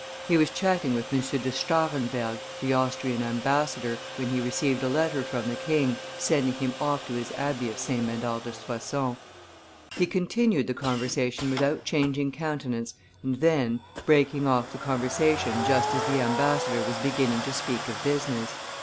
He was chatting with M. de Stahrenberg, the Austrian ambassador, when he received a letter from the king, sending him off to his abbey of St. Medard de Soissons. He continued the conversation without changing countenance, and then, breaking off the conversation just as the ambassador was beginning to speak of business.